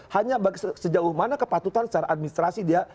hanya sejauh mana kepatutan secara administrasi dia